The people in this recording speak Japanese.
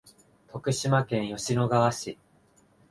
徳島県吉野川市